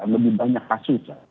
lebih banyak kasusnya